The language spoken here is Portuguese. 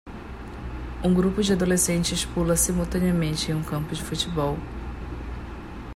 Um grupo de adolescentes pula simultaneamente em um campo de futebol.